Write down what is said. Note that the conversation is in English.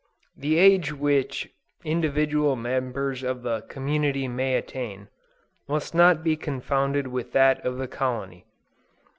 The age which individual members of the community may attain, must not be confounded with that of the colony.